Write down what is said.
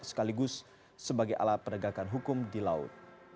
sekaligus sebagai alat penegakan hukum di laut